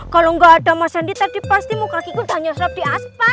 kalau gak ada mas andi tadi pasti muka gigi udah nyosrap di aspal